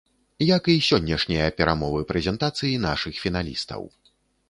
Як і сённяшнія прамовы-прэзентацыі нашых фіналістаў.